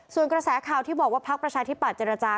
ส่วนกระแสข่าวที่บอกว่าพักประชาธิปัตยเจรจา